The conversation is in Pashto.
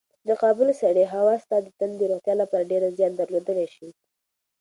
د کابل سړې هوا ستا د تن د روغتیا لپاره ډېر زیان درلودلی شي.